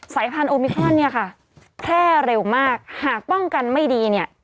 สายพันธุมิครอนเนี่ยค่ะแพร่เร็วมากหากป้องกันไม่ดีเนี่ย